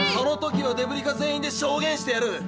その時はデブリ課全員で証言してやる。